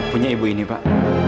punya ibu ini pak